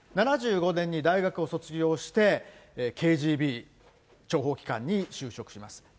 ７５年に大学を卒業して、ＫＧＢ諜報機関に就職します。